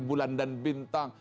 bulan dan bintang